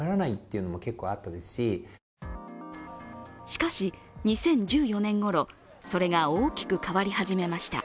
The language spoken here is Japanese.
しかし２０１４年ごろそれが大きく変わり始めました。